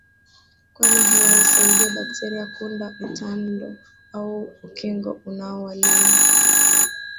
kwani hewa huwasaidia bakteria kuunda utando au ukingo unaowalinda